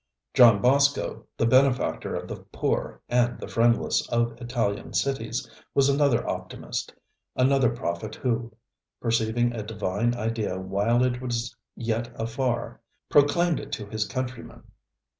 John Bosco, the benefactor of the poor and the friendless of Italian cities, was another optimist, another prophet who, perceiving a Divine Idea while it was yet afar, proclaimed it to his countrymen.